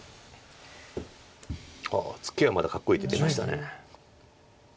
ツケはまたかっこいい手出ました。